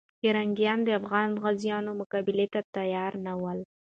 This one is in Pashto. پرنګیان د افغان غازیو مقابلې ته تیار نه ول.